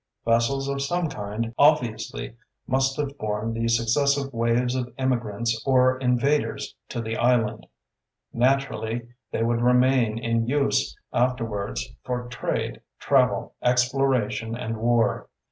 Vessels of some kind obviously must have borne the successive waves of immigrants or invaders to the island. Naturally they would remain in use afterwards for trade, travel, exploration, and war.